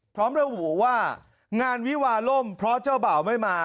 พร้อมระบุว่างานวิวาล่มเพราะเจ้าบ่าวไม่มา